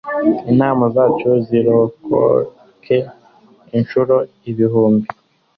intama zacu zizororoke incuro ibihumbi